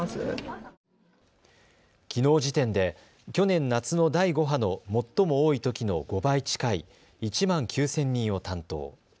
きのう時点で去年夏の第５波の最も多いときの５倍近い１万９０００人を担当。